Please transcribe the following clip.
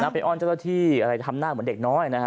น่าไปอ้อนเจ้าหน้าที่ทำหน้าเหมือนเด็กน้อย